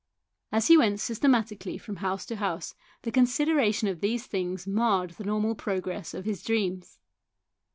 As he went systematically from house to house the consideration of these things marred the normal progress of his dreams.